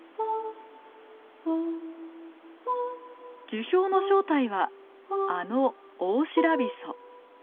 樹氷の正体はあのオオシラビソ。